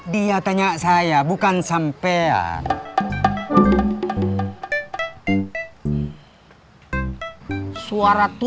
dia tanya saya bukan sampean